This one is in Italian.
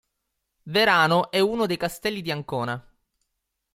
Varano è uno dei Castelli di Ancona.